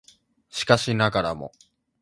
しかしながらも